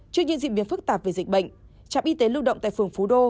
trước những diễn biến phức tạp về dịch bệnh trạm y tế lưu động tại phường phú đô